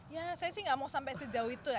ya saya sih nggak mau sampai sejauh itu ya